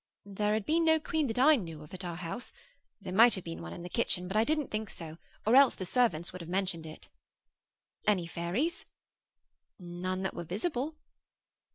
There had been no queen that I knew of at our house. There might have been one in the kitchen: but I didn't think so, or the servants would have mentioned it. 'Any fairies?' None that were visible.